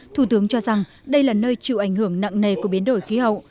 thủ tướng cho rằng đây là nơi chịu ảnh hưởng nặng nề của biến đổi khí hậu